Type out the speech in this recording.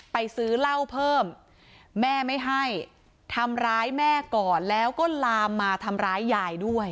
ไปซื้อเหล้าเพิ่มแม่ไม่ให้ทำร้ายแม่ก่อนแล้วก็ลามมาทำร้ายยายด้วย